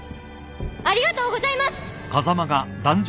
ありがとうございます！